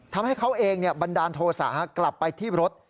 ทำให้เขาเองบันดาลโทษะกลับไปที่รถ